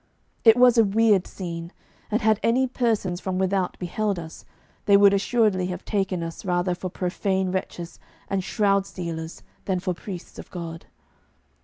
It was a weird scene, and had any persons from without beheld us, they would assuredly have taken us rather for profane wretches and shroud stealers than for priests of God.